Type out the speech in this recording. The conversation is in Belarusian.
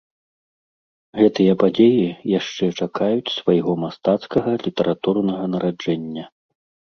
Гэтыя падзеі яшчэ чакаюць свайго мастацкага літаратурнага нараджэння.